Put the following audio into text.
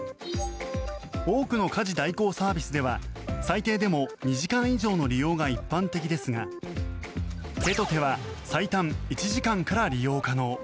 多くの家事代行サービスでは最低でも２時間以上の利用が一般的ですが「てとて」は最短１時間から利用可能。